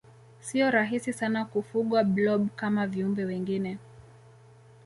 siyo rahisi sana kufugwa blob kama viumbe wengine